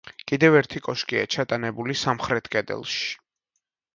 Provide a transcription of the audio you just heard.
კიდევ ერთი კოშკია ჩატანებული სამხრეთ კედელში.